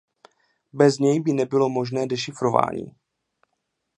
Bez něj by nebylo možné dešifrování.